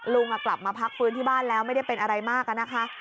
ลุงกลับมาพักฟื้นที่บ้านแล้วไม่ได้เป็นอะไรมากอะนะคะ